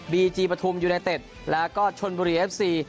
บีจีปฐุมยูไนเต็ดแล้วก็ชนบุรีเอฟซี